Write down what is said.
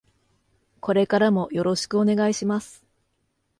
これからもよろしくお願いします。